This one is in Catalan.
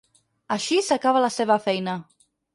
Així s'acaba la seva feina.